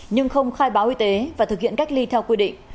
nhưng không khai báo y tế và thực hiện cách ly theo quy định